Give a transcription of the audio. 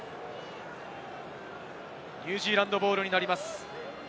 ニュージーランドボールになります。